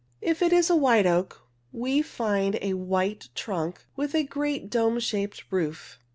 If it's a white oak, we find a white trunk with a great dome shap ed roof.